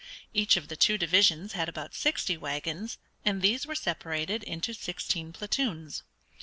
Each of the two divisions had about sixty wagons, and these were separated into sixteen platoons.